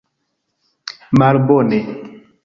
Malbone!